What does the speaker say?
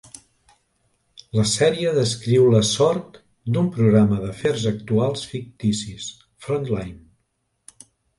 La sèrie descriu la sort d'un programa d'afers actuals ficticis, "Frontline".